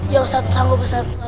ya ustadz sanggup ustadz